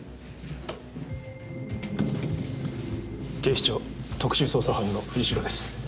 警視庁特殊捜査班の藤代です。